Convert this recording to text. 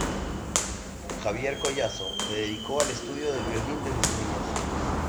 Javier Collazo se dedicó al estudio del violín desde su niñez.